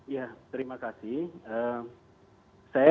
ya terima kasih